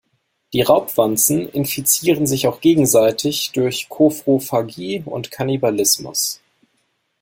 Die Raubwanzen infizieren sich auch gegenseitig durch Koprophagie und „Kannibalismus“.